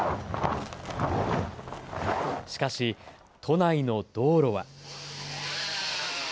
しかし、都内の道路は。